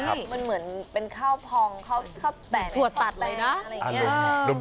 ข้าวแต่นถั่วตัดเลยนะ